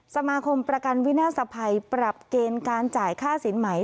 สมาคมประกันวินาศภัยปรับเกณฑ์การจ่ายค่าสินใหม่